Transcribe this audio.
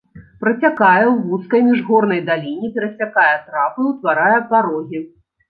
Працякае ў вузкай міжгорнай даліне, перасякае трапы, утварае парогі.